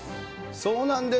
そうなんです。